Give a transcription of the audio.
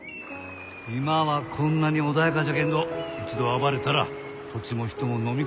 今はこんなに穏やかじゃけんど一度暴れたら土地も人ものみ込む。